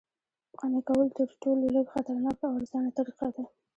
قانع کول تر ټولو لږ خطرناکه او ارزانه طریقه ده